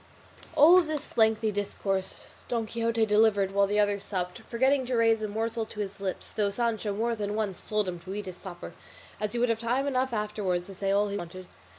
All this lengthy discourse Don Quixote delivered while the others supped, forgetting to raise a morsel to his lips, though Sancho more than once told him to eat his supper, as he would have time enough afterwards to say all he wanted.